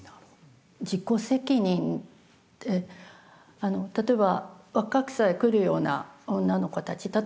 自己責任って例えば若草へ来るような女の子たち。